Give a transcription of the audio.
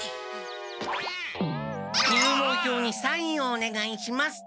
入門票にサインをおねがいします。